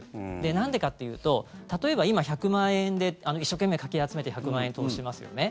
なんでかっていうと例えば今、１００万円で一生懸命かき集めて１００万円投資しますよね。